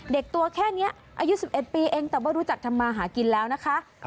ตัวแค่นี้อายุ๑๑ปีเองแต่ว่ารู้จักทำมาหากินแล้วนะคะ